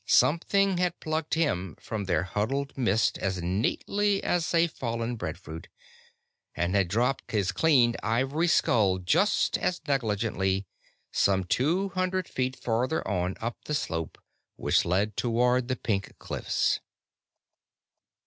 Something had plucked him from their huddled midst as neatly as a fallen breadfruit and had dropped his cleaned ivory skull just as negligently, some two hundred feet farther on up the slope which led toward the pink cliffs.